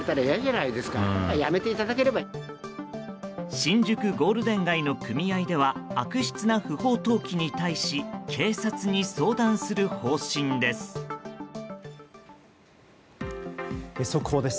新宿ゴールデン街の組合では悪質な不法投棄に対し警察に相談する方針です。